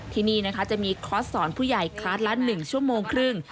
ที่นี่นะคะจะมีคอร์สสอนผู้ใหญ่คอร์สละ๑ชั่วโมงครึ่ง